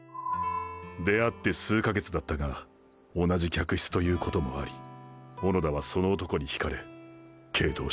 出会って数か月だったが同じ脚質ということもあり小野田はその男に魅かれ傾倒していった。